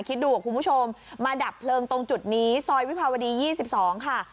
คิดดูคุณผู้ชมมาดับเพลิงตรงจุดนี้ซอยวิภาวดี๒๒ค่ะ